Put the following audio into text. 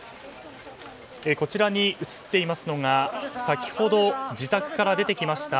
こちらに映っていますのが先ほど自宅から出てきました